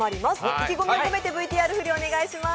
意気込みを込めてＶＴＲ振りお願いします。